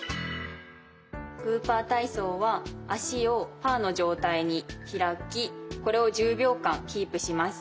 グーパー体操は足をパーの状態に開きこれを１０秒間キープします。